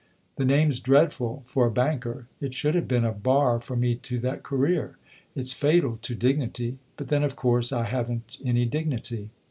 The name's dreadful for a banker; it should have been a bar for me to that career. It's fatal to dignity. But then of course I haven't any dignity."